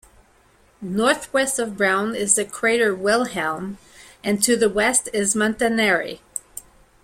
Northwest of Brown is the crater Wilhelm, and to the west is Montanari.